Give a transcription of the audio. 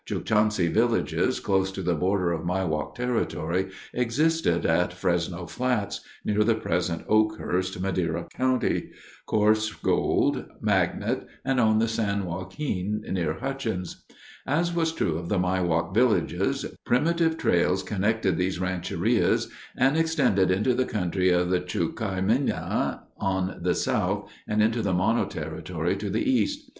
Chukchansi villages close to the border of Miwok territory existed at Fresno Flats (near the present Oakhurst, Madera County), Coarse Gold, Magnet, and on the San Joaquin near Hutchins. As was true of the Miwok villages, primitive trails connected these rancherias and extended into the country of the Chukaimina on the south and into the Mono territory to the east.